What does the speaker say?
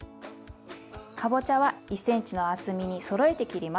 かぼちゃは１ｃｍの厚みにそろえて切ります。